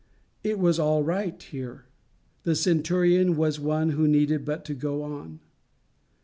It was all right here. The centurion was one who needed but to go on.